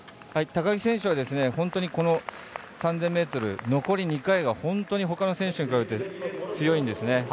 高木選手は３０００ｍ残り２回が本当にほかの選手に比べて強いんですね。